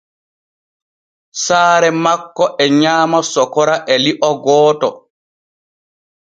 Saare makko e nyaama sokora e li’o gooto.